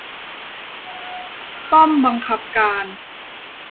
ป้อมบังคับการ